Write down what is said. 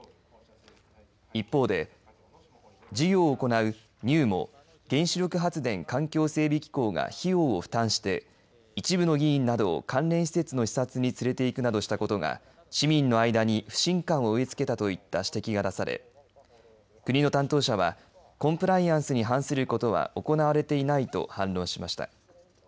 一方で事業を行う、ＮＵＭＯ原子力発電環境整備機構が費用を負担して一部の議員などを関連施設の視察に連れていくなどしたことが市民の間に不信感を植え付けたといった指摘が出され国の担当者はコンプライアンスに反することは行われていないと反論しました。